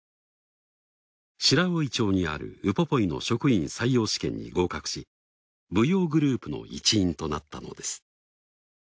白老町にあるウポポイの職員採用試験に合格し舞踊グループの一員となったのです。